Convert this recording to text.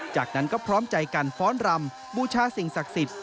จากนั้นก็พร้อมใจกันฟ้อนรำบูชาสิ่งศักดิ์สิทธิ